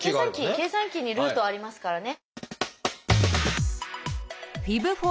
計算機に「√」ありますからね。